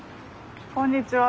あっこんにちは。